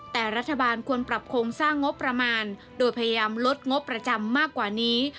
แต่รัฐบาลควรปรับโครงสร้างงบประมาณโดยพยายามลดงบประจำมากกว่านี้